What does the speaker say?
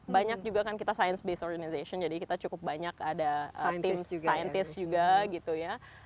banyak juga kan kita science base organisation jadi kita cukup banyak ada tim scientist juga gitu ya